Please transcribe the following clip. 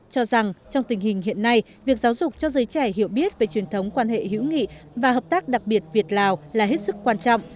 cho rằng trong tình hình hiện nay việc giáo dục cho giới trẻ hiểu biết về truyền thống quan hệ hữu nghị và hợp tác đặc biệt việt lào là hết sức quan trọng